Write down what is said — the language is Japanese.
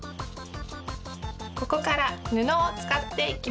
ここから布をつかっていきます！